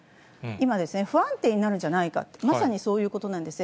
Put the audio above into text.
今ですね、不安定になるんじゃないか、まさにそういうことなんですね。